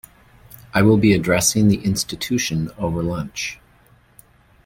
I will be addressing the institution over lunch.